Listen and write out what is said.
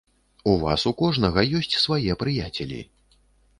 У вас у кожнага ёсць свае прыяцелі.